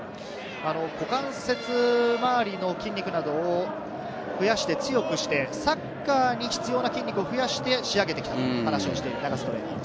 股関節周りの筋肉などを増やして強くして、サッカーに必要な筋肉を増やして仕上げてきたという話をしています。